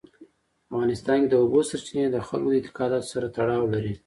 په افغانستان کې د اوبو سرچینې د خلکو د اعتقاداتو سره تړاو لري.